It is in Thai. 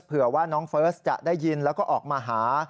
เผื่อว่าน้องเฟิร์สจะได้ยินแล้วก็ออกมาหา